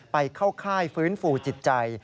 ไปเข้าค่ายฟื้นฟูจิตใจ